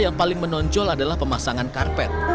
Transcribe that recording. yang paling menonjol adalah pemasangan karpet